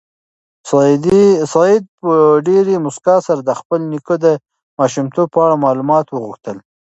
سعید په ډېرې موسکا سره د خپل نیکه د ماشومتوب په اړه معلومات وغوښتل.